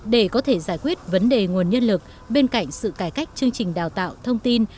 để có thể giải quyết vấn đề nguồn nhân lực bên cạnh sự cải cách chương trình đào tạo thông tin